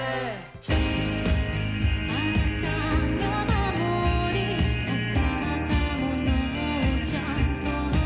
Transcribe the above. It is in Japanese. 「あなたが守りたかったものをちゃんと持って」